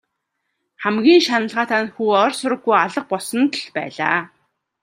Хамгийн шаналгаатай нь хүү ор сураггүй алга болсонд л байлаа.